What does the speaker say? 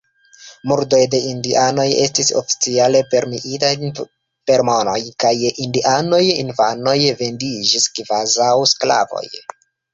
Murdoj de indianoj estis oficiale premiitaj per mono, kaj indianaj infanoj vendiĝis kvazaŭ sklavoj.